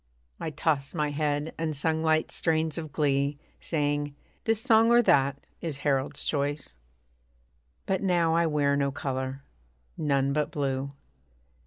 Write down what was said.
I tossed my head, and sung light strains of glee Saying, 'This song, or that, is Harold's choice.' But now I wear no colour none but blue.